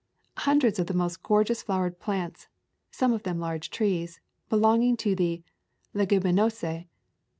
Hundreds of the most gorgeous flowered plants, some of them large trees, be longing to the Leguminose.